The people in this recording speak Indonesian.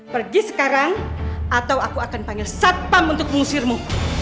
pergi sekarang atau aku akan panggil satpam untuk mengusirmu